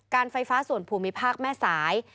ไฟฟ้าส่วนภูมิภาคแม่สาย